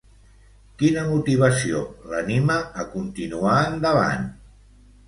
Quina motivació l'anima a continuar endavant?